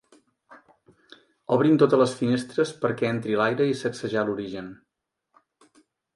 Obrin totes les finestres perquè entri l'aire i sacsejar l'origen.